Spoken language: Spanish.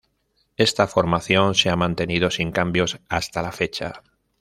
Esta formación se ha mantenido sin cambios hasta la fecha.